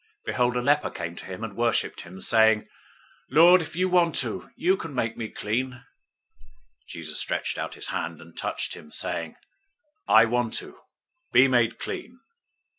008:002 Behold, a leper came to him and worshiped him, saying, "Lord, if you want to, you can make me clean." 008:003 Jesus stretched out his hand, and touched him, saying, "I want to. Be made clean."